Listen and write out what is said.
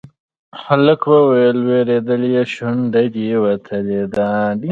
هلک وويل: وېرېدلی يې، شونډه دې وتلې ده.